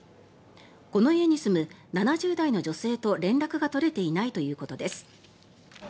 この家に住む７０代の女性と連絡が取れていないということです。